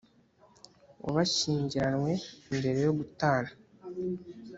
w abashyingiranywe mbere yo gutana